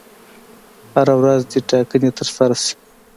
هره ورځ دي ټاکنې ترسره شي.